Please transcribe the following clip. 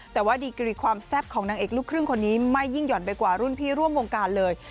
แต่ว่าดีกรีความแซ่บของนางเอกลูกครึ่งคนนี้ไม่ยิ่งห่อนไปกว่ารุ่นพี่ร่วมวงการเลย